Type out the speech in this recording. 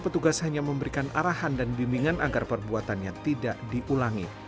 petugas hanya memberikan arahan dan bimbingan agar perbuatannya tidak diulangi